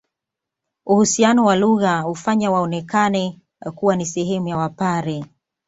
Uhusiano wa lugha hufanya waonekane kuwa ni sehemu ya Wapare